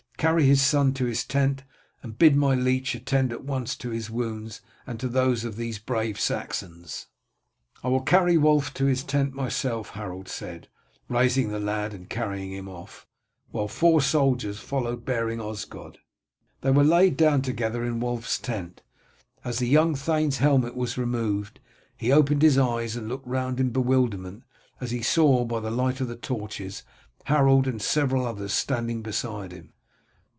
Carry his son to his tent, and bid my leech attend at once to his wounds and to those of these brave Saxons." "I will carry Wulf to his tent myself," Harold said, raising the lad and carrying him off, while four soldiers followed bearing Osgod. They were laid down together in Wulf's tent. As the young thane's helmet was removed, he opened his eyes and looked round in bewilderment as he saw, by the light of the torches, Harold and several others standing beside him.